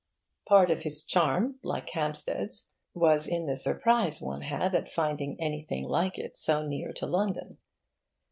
Part of his charm, like Hampstead's, was in the surprise one had at finding anything like it so near to London.